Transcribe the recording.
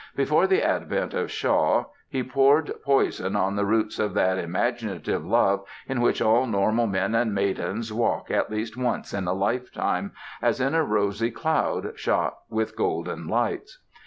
Before the advent of Shaw he poured poison on the roots of that imaginative love in which all normal men and maidens walk at least once in a lifetime as in a rosy cloud shot through with golden lights.